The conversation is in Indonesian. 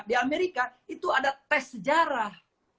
di amerika itu ada tes sejarah